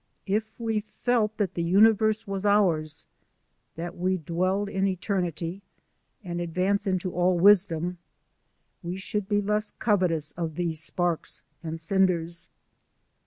If we felt that the universe was ours, that we dwelled in eternity, and advance into all wisdom, we should be less covetous of these sparks and cinders.